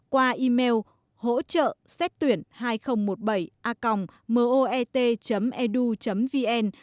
qua email hỗ trợ xét tuyển hai nghìn một mươi bảy a moet edu vn